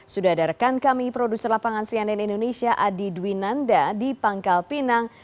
sudah ada rekan kami produser lapangan cnn indonesia adi dwinanda di pangkal pinang